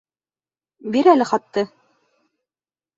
Бир әле хатты!